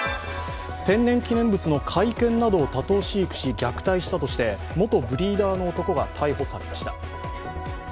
天然記念物の甲斐犬などを多頭飼育し虐待したとして元ブリーダーの男が逮捕されました。